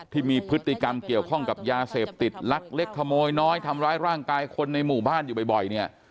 ที่มีพฤติกรรมเกี่ยวข้องกับยาเสพติดลักเล็กขโมยน้อยทำร้ายร่างกายคนในหมู่บ้านอยู่บ่อยเนี่ย